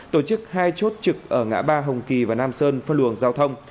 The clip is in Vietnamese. tổ chức hai chốt trực ở ngã ba hồng kỳ và nam sơn phân luồng giao thông